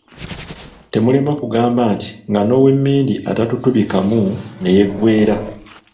Temulema kugamba nti, nga n’owemmindi atutubikamu ne yeggweera.